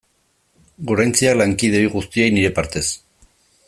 Goraintziak lankide ohi guztiei nire partez.